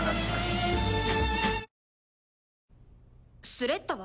スレッタは？